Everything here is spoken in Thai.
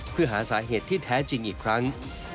เพื่อหาสาเหตุที่แท้จริงอีกครั้ง